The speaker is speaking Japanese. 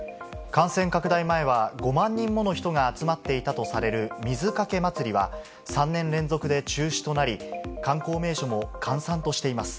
感染拡大前は５万人もの人が集まっていたとされる水かけ祭りは、３年連続で中止となり、観光名所も閑散としています。